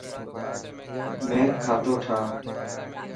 ميڪ کاتو ٺائو.